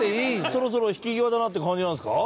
そろそろ引き際だなって感じなんですか？